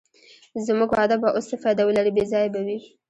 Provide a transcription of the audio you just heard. زموږ واده به اوس څه فایده ولرې، بې ځایه به وي.